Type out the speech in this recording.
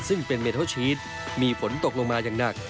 ซึ่งเป็นเมทัลชีสมีฝนตกลงมาอย่างหนัก